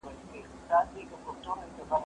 زه به کتابتون ته تللي وي!؟